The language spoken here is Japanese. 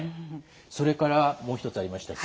それからもう一つありました